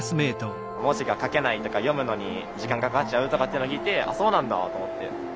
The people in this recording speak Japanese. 文字が書けないとか読むのに時間かかっちゃうとかっていうのを聞いて「あっそうなんだ」と思って。